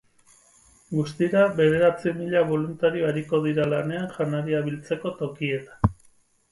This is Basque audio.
Guztira, bederatzi mila boluntario ariko dira lanean janaria biltzeko tokietan.